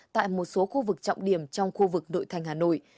tại một số khu vực trọng điểm trong khu vực nội thành hà nội